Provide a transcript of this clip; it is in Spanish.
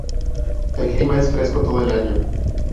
El clima es fresco todo el año.